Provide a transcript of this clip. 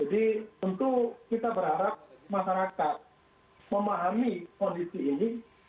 tentu kita berharap masyarakat memahami kondisi ini